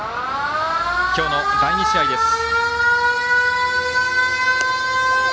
今日の第２試合です。